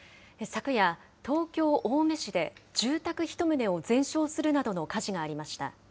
昨夜、東京・青梅市で、住宅１棟を全焼するなどの火事がありました。